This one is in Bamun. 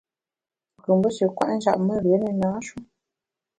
Wu kù mbe shi kwet njap me, rié ne na-shu.